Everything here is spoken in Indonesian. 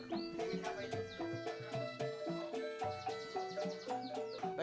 ini apa itu